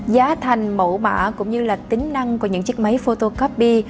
giá thành mẫu mã cũng như là tính năng của những chiếc máy photocopy